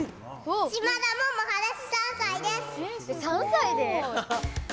３歳です。